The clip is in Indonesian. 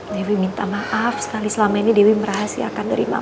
dewi minta maaf sekali selama ini dewi merahasiakan dari mama